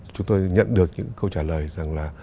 chúng tôi nhận được những câu trả lời rằng là